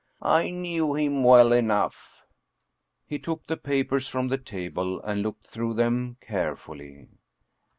I knew him well enough." He took the papers from the table and looked through them carefully.